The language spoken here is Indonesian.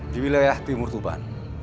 di wilayah timur tuban